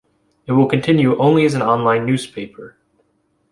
It will continue only as an online newspaper.